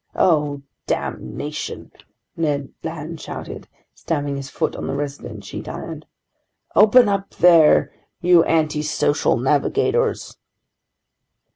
"Oh, damnation!" Ned Land shouted, stamping his foot on the resonant sheet iron. "Open up there, you antisocial navigators!"